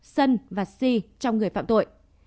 sân và si trong người phạm tội